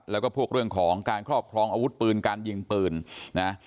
แล้วก็พวกเรื่องของการครอบครองอาวุธปืนการยิงปืนนะ